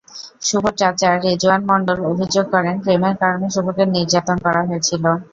শুভর চাচা রেজোয়ান মণ্ডল অভিযোগ করেন, প্রেমের কারণে শুভকে নির্যাতন করা হয়েছিল।